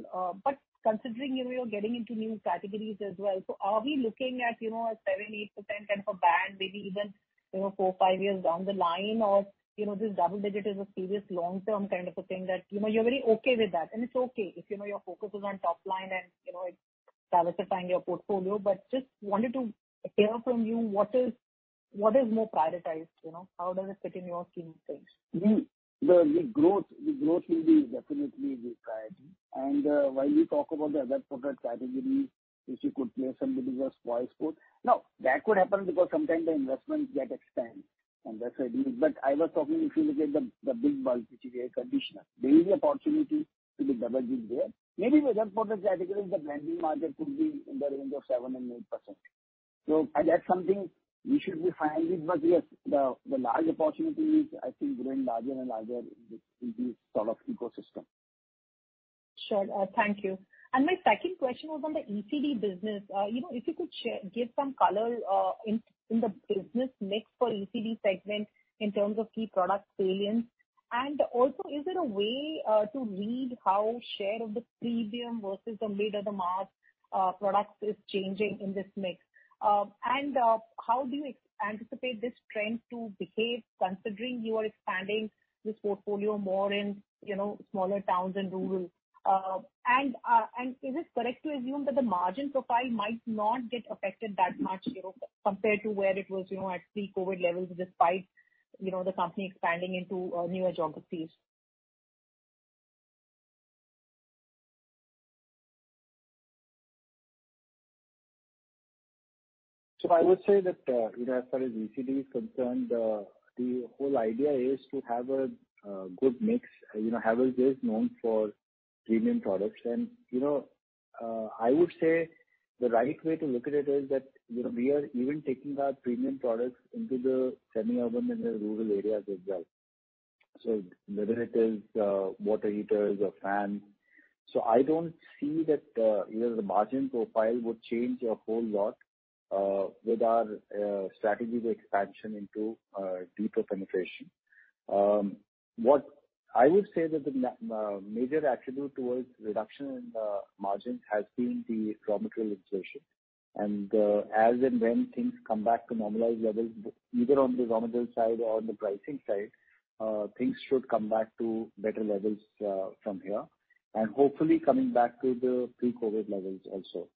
but considering you are getting into new categories as well, so are we looking at, you know, a 7%-8% kind of a band, maybe even, you know, four to five years down the line? Or, you know, this double-digit is a serious long-term kind of a thing that, you know, you're very okay with that. It's okay if, you know, your focus is on top line and, you know, diversifying your portfolio. Just wanted to hear from you what is, what is more prioritized, you know, how does it fit in your scheme of things? The growth will be definitely the priority. While we talk about the other product categories, if you could place some 4%. Now that could happen because sometimes the investments get expanded and that's why it is. I was talking, if you look at the big bulk, which is air conditioner, there is the opportunity to be double digit there. Maybe the other product category, the blended margin could be in the range of 7%-8%. That's something we should be fine with. Yes, the large opportunity is I think growing larger and larger in the AC sort of ecosystem. Sure. Thank you. My second question was on the ECD business. You know, if you could give some color in the business mix for ECD segment in terms of key product salience. Also is there a way to read how share of the premium versus the middle of the market products is changing in this mix? How do you anticipate this trend to behave considering you are expanding this portfolio more in, you know, smaller towns and rural? Is it correct to assume that the margin profile might not get affected that much, you know, compared to where it was, you know, at pre-COVID levels despite, you know, the company expanding into newer geographies? I would say that, you know, as far as ECD is concerned, the whole idea is to have a good mix, you know, have a base known for premium products. I would say the right way to look at it is that, you know, we are even taking our premium products into the semi-urban and the rural areas as well, whether it is water heaters or fans. I don't see that, you know, the margin profile would change a whole lot with our strategy of expansion into deeper penetration. What I would say that the major attribute toward reduction in the margin has been the raw material inflation. As and when things come back to normalized levels, either on the raw material side or on the pricing side, things should come back to better levels, from here, and hopefully coming back to the pre-COVID levels also.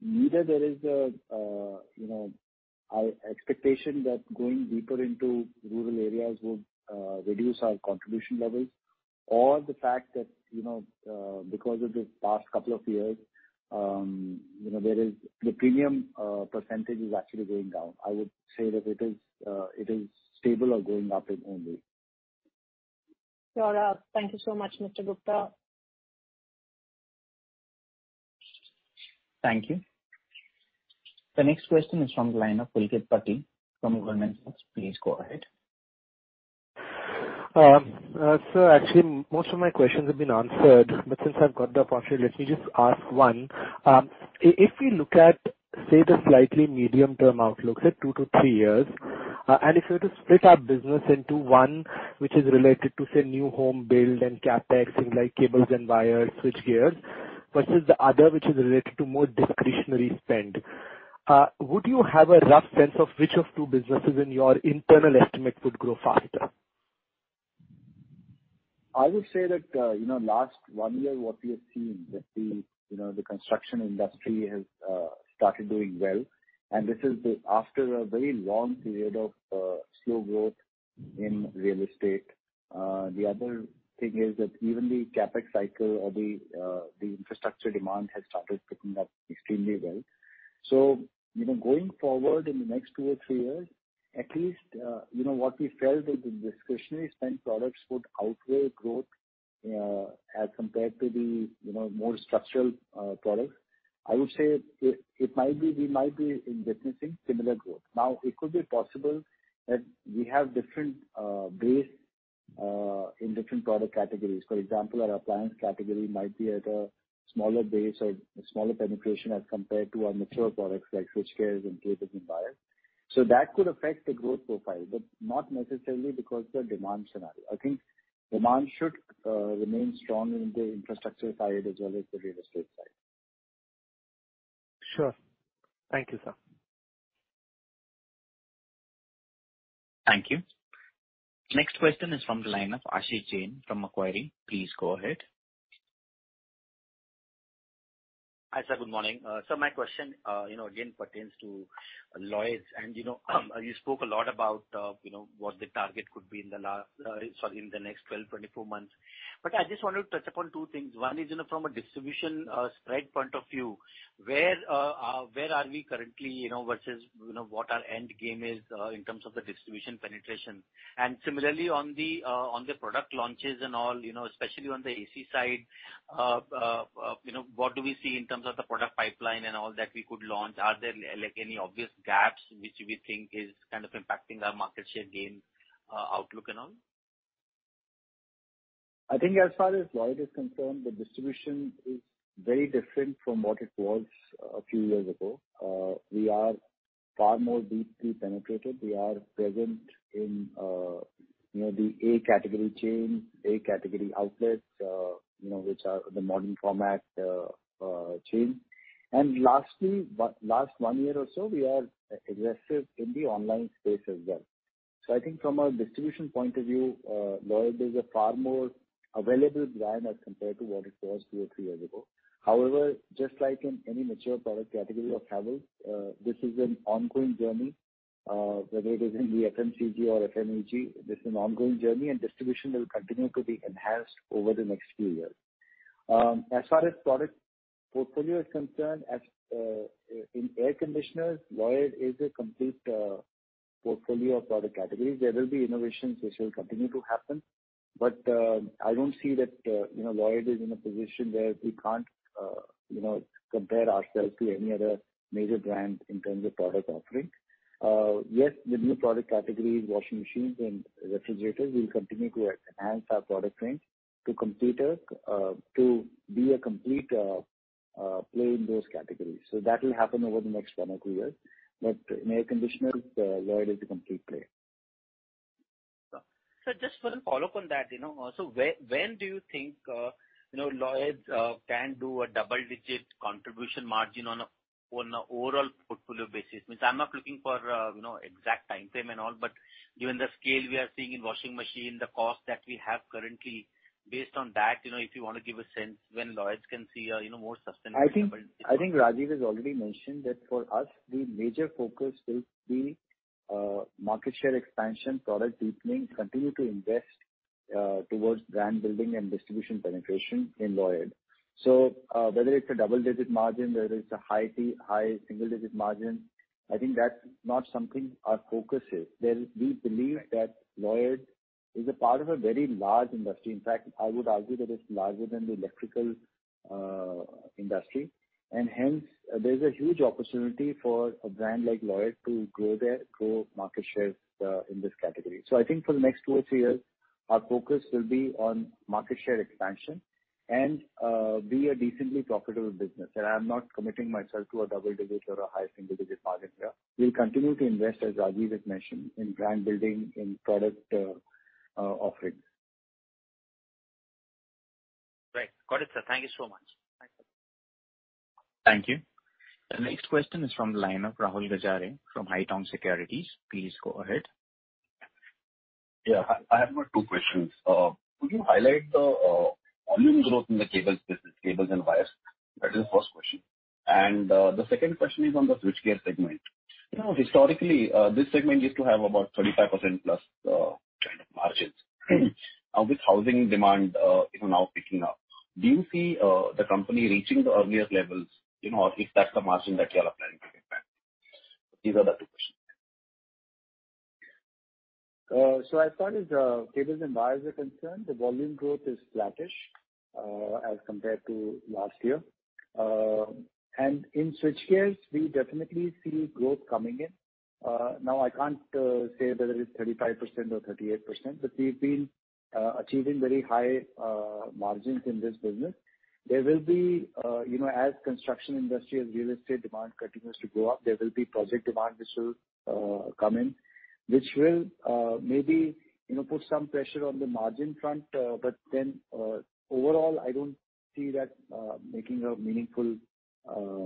Neither is there an expectation that going deeper into rural areas would reduce our contribution levels or the fact that, you know, because of the past couple of years, you know, there is the premium percentage is actually going down. I would say that it is stable or going up only. Sure. Thank you so much, Mr. Gupta. Thank you. The next question is from the line of Pulkit Patni from Goldman Sachs. Please go ahead. Sir, actually most of my questions have been answered, but since I've got the opportunity, let me just ask one. If we look at, say, the slightly medium-term outlook, say 2-3 years, and if we were to split our business into one which is related to, say, new home build and CapEx, things like cables and wires, switchgears, versus the other, which is related to more discretionary spend, would you have a rough sense of which of the two businesses in your internal estimate would grow faster? I would say that, you know, last one year what we have seen that the, you know, the construction industry has started doing well, and this is after a very long period of slow growth in real estate. The other thing is that even the CapEx cycle or the infrastructure demand has started picking up extremely well. You know, going forward in the next two or three years at least, you know, what we felt is the discretionary spend products would outweigh growth, as compared to the, you know, more structural products. I would say it might be we might be investing similar growth. Now, it could be possible that we have different base in different product categories. For example, our appliance category might be at a smaller base or smaller penetration as compared to our mature products like switchgears and cables and wires. That could affect the growth profile, but not necessarily because of the demand scenario. I think demand should remain strong in the infrastructure side as well as the real estate side. Sure. Thank you, sir. Thank you. Next question is from the line of Ashish Jain from Macquarie. Please go ahead. Hi, sir. Good morning. My question again pertains to Lloyd. You know, you spoke a lot about you know, what the target could be in the next 12 months, 24 months. I just wanted to touch upon two things. One is, you know, from a distribution spread point of view, where are we currently, you know, versus, you know, what our end game is in terms of the distribution penetration. Similarly on the product launches and all, you know, especially on the AC side, you know, what do we see in terms of the product pipeline and all that we could launch? Are there, like, any obvious gaps which we think is kind of impacting our market share gain outlook and all? I think as far as Lloyd is concerned, the distribution is very different from what it was a few years ago. We are far more deeply penetrated. We are present in, you know, the A category chain, A category outlets, you know, which are the modern format chain. Lastly, last one year or so, we are aggressive in the online space as well. I think from a distribution point of view, Lloyd is a far more available brand as compared to what it was two or three years ago. However, just like in any mature product category of Havells, this is an ongoing journey. Whether it is in the FMCG or FMEG, this is an ongoing journey, and distribution will continue to be enhanced over the next few years. As far as product portfolio is concerned, in air conditioners, Lloyd is a complete portfolio of product categories. There will be innovations which will continue to happen, but I don't see that you know, Lloyd is in a position where we can't compare ourselves to any other major brand in terms of product offering. Yes, the new product categories, washing machines and refrigerators, we will continue to enhance our product range to be a complete play in those categories. That will happen over the next one or two years. In air conditioners, Lloyd is a complete player. Sir, just for a follow-up on that, you know. When do you think, you know, Lloyd can do a double-digit contribution margin on an overall portfolio basis? I mean, I'm not looking for, you know, exact timeframe and all, but given the scale we are seeing in washing machine, the cost that we have currently, based on that, you know, if you wanna give a sense when Lloyd can see a, you know, more sustainable- I think Rajiv has already mentioned that for us, the major focus will be market share expansion, product deepening, continue to invest towards brand building and distribution penetration in Lloyd. Whether it's a double-digit margin, whether it's a high single-digit margin, I think that's not something our focus is. We believe that Lloyd is a part of a very large industry. In fact, I would argue that it's larger than the electrical industry. Hence, there's a huge opportunity for a brand like Lloyd to grow market shares in this category. I think for the next two or three years, our focus will be on market share expansion and be a decently profitable business. I'm not committing myself to a double-digit or a high single-digit margin here. We'll continue to invest, as Rajiv has mentioned, in brand building, in product offerings. Great. Got it, sir. Thank you so much. Bye. Thank you. The next question is from the line of Rahul Gajare from Haitong Securities. Please go ahead. Yeah. I have two questions. Could you highlight the volume growth in the cables business, cables and wires? That is the first question. The second question is on the switchgear segment. You know, historically, this segment used to have about 35%+ kind of margins. Now with housing demand, you know, now picking up, do you see the company reaching the earlier levels, you know, or if that's the margin that you all are planning to get back? These are the two questions. As far as cables and wires are concerned, the volume growth is flattish as compared to last year. In switchgears, we definitely see growth coming in. Now, I can't say whether it's 35% or 38%, but we've been achieving very high margins in this business. There will be, you know, as construction industry and real estate demand continues to go up, there will be project demand which will come in, which will maybe, you know, put some pressure on the margin front. Overall, I don't see that making a meaningful, you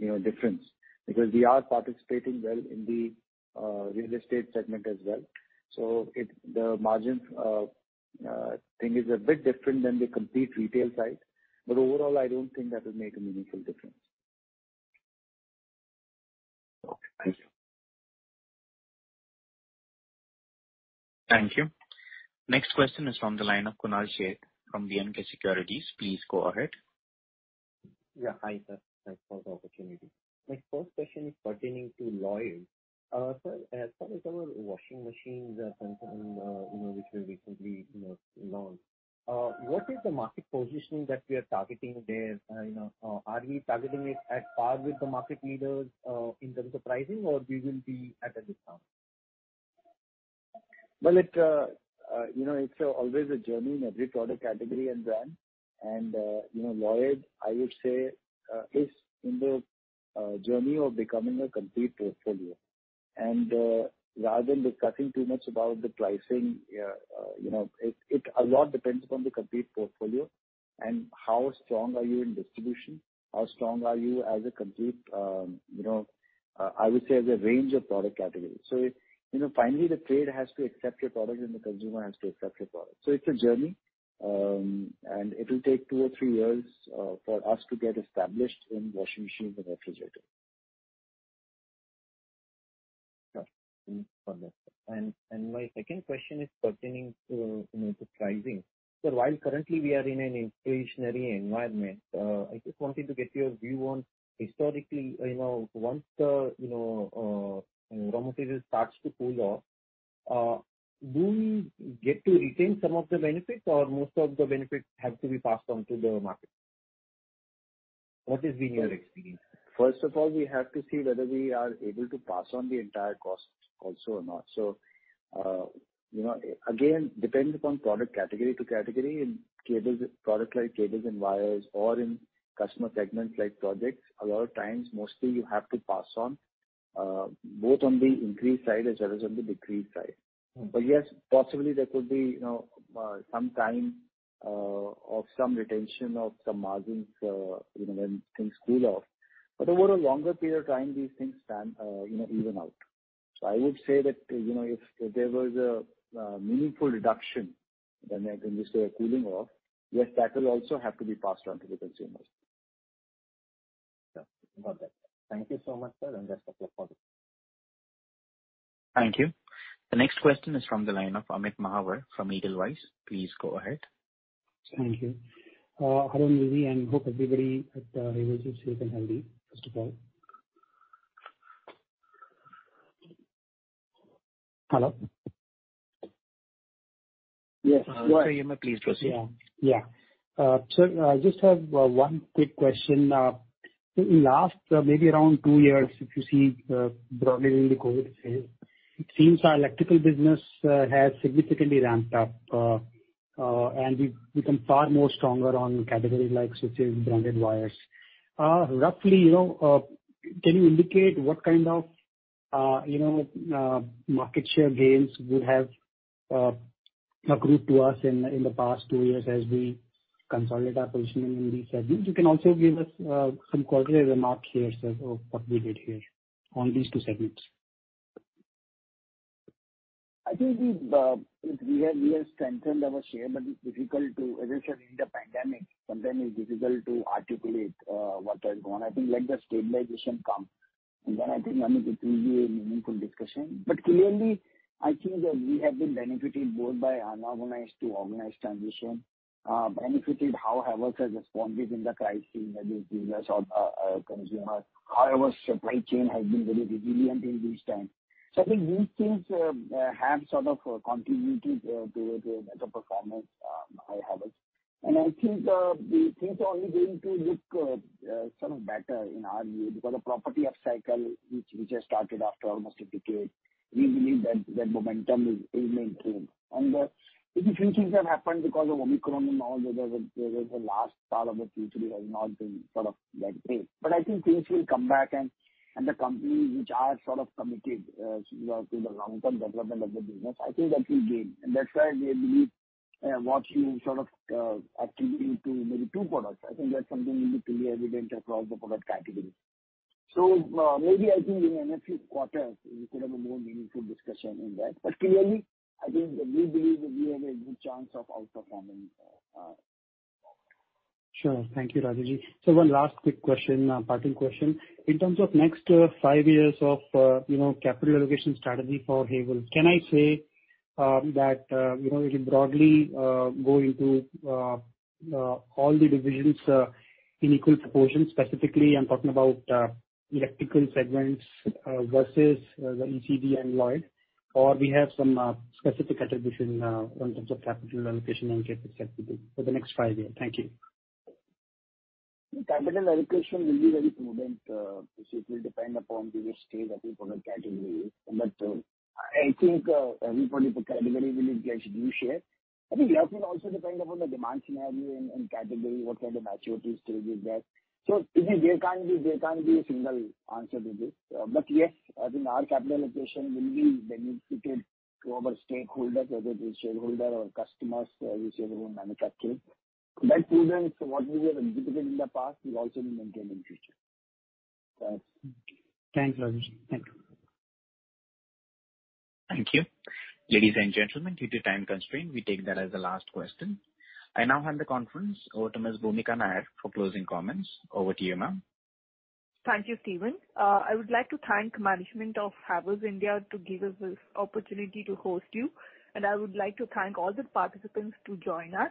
know, difference because we are participating well in the real estate segment as well. It's the margins thing is a bit different than the complete retail side. Overall, I don't think that will make a meaningful difference. Okay. Thank you. Thank you. Next question is from the line of Kunal Sheth from B&K Securities. Please go ahead. Yeah. Hi, sir. Thanks for the opportunity. My first question is pertaining to Lloyd. Sir, as far as our washing machines and you know, which were recently, you know, launched, what is the market positioning that we are targeting there? You know, are we targeting it at par with the market leaders, in terms of pricing, or we will be at a discount? Well, you know, it's always a journey in every product category and brand. You know, Lloyd, I would say, is in the journey of becoming a complete portfolio. Rather than discussing too much about the pricing, you know, a lot depends upon the complete portfolio and how strong are you in distribution, how strong are you as a complete, you know, I would say as a range of product categories. You know, finally the trade has to accept your product and the consumer has to accept your product. It's a journey. It will take two or three years for us to get established in washing machines and refrigerators. Sure. Thank you for that. My second question is pertaining to, you know, to pricing. While currently we are in an inflationary environment, I just wanted to get your view on historically, you know, once the, you know, raw material starts to cool off, do we get to retain some of the benefits or most of the benefits have to be passed on to the market? What is your experience? First of all, we have to see whether we are able to pass on the entire cost also or not. You know, again, depends upon product category to category. In cables, product like cables and wires or in customer segments like projects, a lot of times mostly you have to pass on both on the increase side as well as on the decrease side. Mm-hmm. Yes, possibly there could be, you know, some time or some retention of some margins, you know, when things cool off. Over a longer period of time, these things tend, you know, even out. I would say that, you know, if there was a meaningful reduction than just a cooling off, yes, that will also have to be passed on to the consumers. Yeah. Got that. Thank you so much, sir, and best of luck for it. Thank you. The next question is from the line of Amit Mahawar from Edelweiss. Please go ahead. Thank you. How are you doing, and hope everybody at Havells is safe and healthy, first of all. Hello? Yes. Sir, you may please proceed. I just have one quick question. In the last maybe around two years, if you see, broadly in the COVID phase, it seems our electrical business has significantly ramped up, and we've become far more stronger on categories like switches, branded wires. Roughly, you know, can you indicate what kind of, you know, market share gains you have accrued to us in the past two years as we consolidate our position in these segments? You can also give us some qualitative remark here, sir, of what we did here on these two segments. I think we have strengthened our share, but as I said, in the pandemic, sometimes it's difficult to articulate what has gone. I think let the stabilization come, and then I think, Amit, it will be a meaningful discussion. Clearly, I think that we have been benefiting both by unorganized to organized transition, benefited how Havells has responded in the crisis, whether it's dealers or consumers, how our supply chain has been very resilient in this time. I think these things have sort of contributed to better performance by Havells. I think the things are only going to look sort of better in our view. The property cycle which has started after almost a decade, we believe that the momentum will maintain. Maybe a few things have happened because of Omicron and all. There was a last part of the Q3 that has not been sort of that great. I think things will come back and the companies which are sort of committed, you know, to the long-term development of the business. I think that will gain. That's why we believe what you sort of attribute to maybe two products. I think that's something that will be clearly evident across the product category. Maybe I think in another few quarters we could have a more meaningful discussion in that. Clearly, I think that we believe that we have a good chance of outperforming. Sure. Thank you, Rajeev ji. One last quick question, parting question. In terms of next five years of, you know, capital allocation strategy for Havells, can I say that, you know, it will broadly go into all the divisions in equal proportions? Specifically, I'm talking about electrical segments versus the ECD and Lloyd. Or we have some specific attribution in terms of capital allocation and capital capability for the next five year. Thank you. The capital allocation will be very prudent. It will depend upon the risk state, I think, for the category. I think, every product category will get its due share. I think it also depend upon the demand scenario and category, what kind of maturity stage is there. It is, there can't be a single answer to this. Yes, I think our capital allocation will be beneficial to our stakeholders, whether it is shareholder or customers, whichever one I'm talking. That program, what we have executed in the past, we also will maintain in future. Thanks, Rajiv. Thank you. Thank you. Ladies and gentlemen, due to time constraint, we take that as the last question. I now hand the conference over to Ms. Bhoomika Nair for closing comments. Over to you, ma'am. Thank you, Steven. I would like to thank management of Havells India to give us this opportunity to host you. I would like to thank all the participants to join us.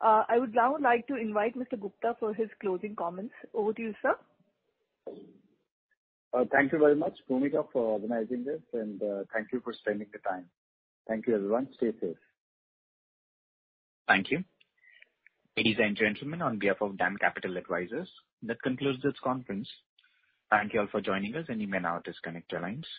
I would now like to invite Mr. Gupta for his closing comments. Over to you, sir. Thank you very much, Bhoomika, for organizing this, and thank you for spending the time. Thank you, everyone. Stay safe. Thank you. Ladies and gentlemen, on behalf of DAM Capital Advisors, that concludes this conference. Thank you all for joining us, and you may now disconnect your lines.